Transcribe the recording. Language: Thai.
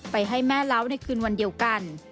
ให้แม่เล้าในคืนวันเดียวกัน